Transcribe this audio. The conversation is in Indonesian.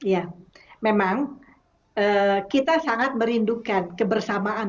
ya memang kita sangat merindukan kebersamaan